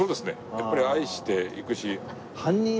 やっぱり愛していくし。